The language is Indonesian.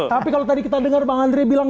tapi kalau tadi kita dengar bang andre bilang